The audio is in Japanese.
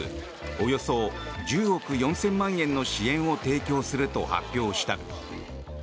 およそ１０億４０００万円の支援を提供すると発表した。